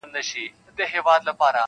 چي اصل تصویر پټ وي -